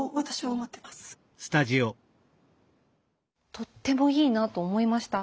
とってもいいなと思いました。